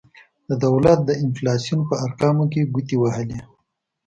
د دولت د انفلاسیون په ارقامو کې ګوتې وهلي.